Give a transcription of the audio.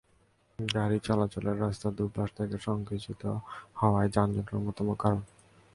গাড়ি চলাচলের রাস্তা দুই পাশ থেকে সংকুচিত হওয়াও যানজটের অন্যতম কারণ।